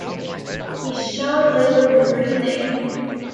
He showed laboured breathing.